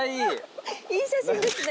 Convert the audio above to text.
いい写真ですね。